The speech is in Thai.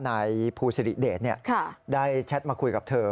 นายภูสิริเดชได้แชทมาคุยกับเธอ